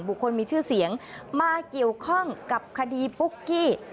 คนมีชื่อเสียงมาเกี่ยวข้องกับคดีปุ๊กกี้